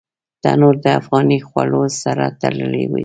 تنور د افغاني خوړو سره تړلی دی